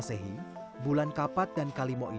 atau perhubungan bog devastasi ibu vivir